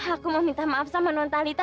aku mau minta maaf sama nontalita